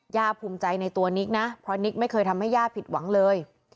ภูมิใจในตัวนิกนะเพราะนิกไม่เคยทำให้ย่าผิดหวังเลย